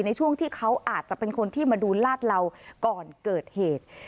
ในช่วงที่เขาอาจจะเป็นคนที่มาดูลาดเหล่าก่อนเกิดเหตุ